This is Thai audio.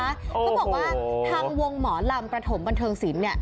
เขาบอกว่าทางวงหมอลำประถมบันเทิงศิลป์